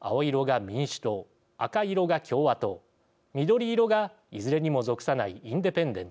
青色が民主党、赤色が共和党緑色がいずれにも属さないインデペンデント